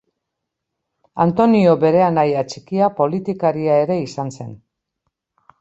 Antonio bere anaia txikia politikaria ere izan zen.